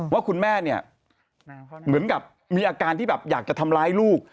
ว่าคุณแม่เนี่ยเหมือนกับมีอาการที่แบบอยากจะทำร้ายลูก